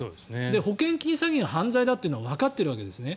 保険金詐欺が犯罪だというのはわかっているわけですね。